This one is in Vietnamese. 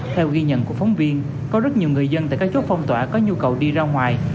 theo ghi nhận của phóng viên có rất nhiều người dân tại các chốt phong tỏa có nhu cầu đi ra ngoài